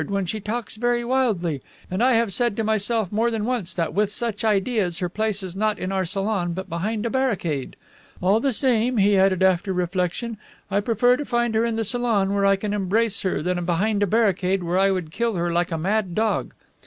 when she talks very wildly, and I have said to myself more than once that with such ideas her place is not in our salon hut behind a barricade. All the same,' he added after reflection, 'I prefer to find her in the salon where I can embrace her than behind a barricade where I would kill her like a mad dog.